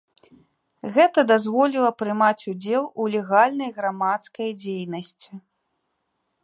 Гэта дазволіла прымаць удзел у легальнай грамадскай дзейнасці.